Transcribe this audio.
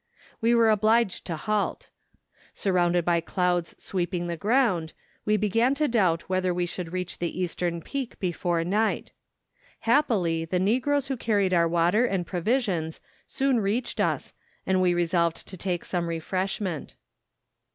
We were obliged to halt. Surrounded by clouds sweeping the ground, we began to doubt whether we should reach the eastern peak before night. Happily, the Negroes who carried our water and provisions soon reached us, and we resolved to take some refreshment.